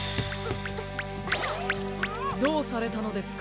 どうされたのですか？